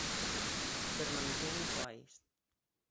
Permanecían iguais.